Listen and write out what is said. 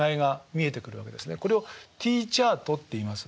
これをＴチャートっていいます。